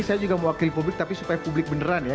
saya juga mewakili publik tapi supaya publik beneran ya